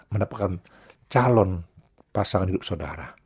mendapatkan calon pasangan hidup saudara